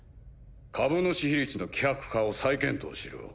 株主比率の希薄化を再検討しろ。